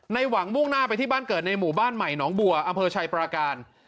หวังมุ่งหน้าไปที่บ้านเกิดในหมู่บ้านใหม่หนองบัวอำเภอชัยปราการ